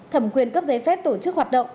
thẩm quyền cấp giấy phép tổ chức hoạt động